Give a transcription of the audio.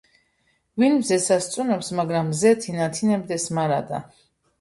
ვინ მზესა სწუნობს, მაგრამ მზე თინათინებდეს მარადა.